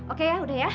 oke ya udah ya